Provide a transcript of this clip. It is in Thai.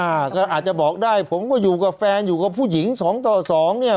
อาจจะบอกได้ผมก็อยู่กับแฟนอยู่กับผู้หญิงสองต่อสองเนี่ย